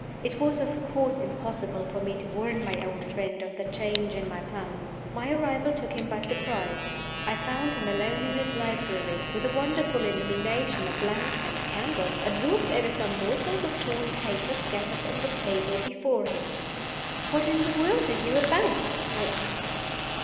It was, of course, impossible for me to warn my old friend of the change in my plans. My arrival took him by surprise. I found him alone in his library, with a wonderful illumination of lamps and candles, absorbed over some morsels of torn paper scattered on the table before him. "What in the world are you about?" I asked.